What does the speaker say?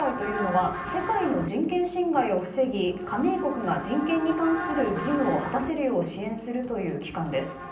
この国連人権理事会は世界の人権侵害を防ぎ加盟国が人権に関する義務を果たせるよう支援するという機関です。